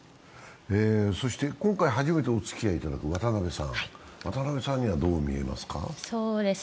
今回初めておつきあいいただく渡部さん、渡部さんにはどう見えますか？